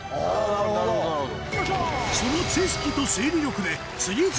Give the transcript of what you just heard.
なるほどなるほど。